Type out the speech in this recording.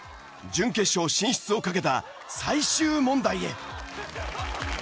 準決勝進出をかけた最終問題へ。